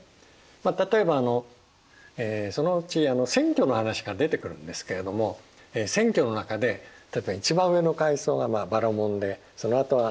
まあ例えばそのうち選挙の話が出てくるんですけれども選挙の中で例えば一番上の階層がバラモンでそのあとはクシャトリアとか